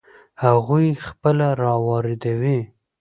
هغوی یې خپله را واردوي.